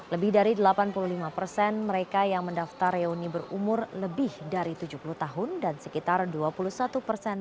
lebih dari delapan puluh lima persen mereka yang mendaftar reuni berumur lebih dari tujuh puluh tahun dan sekitar dua puluh satu persen